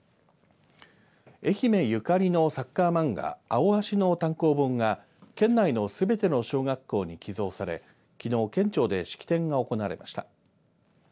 愛媛ゆかりのサッカー漫画アオアシの単行本が県内のすべての小学校に寄贈されきのう県庁で式典が行われました。